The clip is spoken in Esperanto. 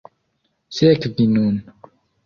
Sekvi nun!